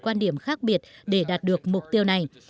quan điểm khác biệt để đạt được mục tiêu này